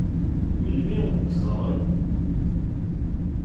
Melmi ad k-ẓṛen?